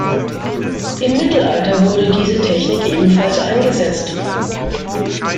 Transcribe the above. Im Mittelalter wurde diese Technik ebenfalls eingesetzt.